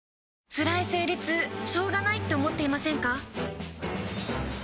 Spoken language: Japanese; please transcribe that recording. つらい生理痛しょうがないって思っていませんか？